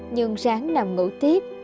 nhưng ráng nằm ngủ tiếp